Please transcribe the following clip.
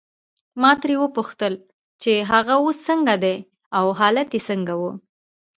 ما ترې وپوښتل چې هغه اوس څنګه دی او حالت یې څنګه وو.